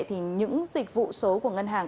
thì những dịch vụ số của ngân hàng